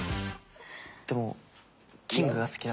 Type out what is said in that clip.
でもキングが好きだから！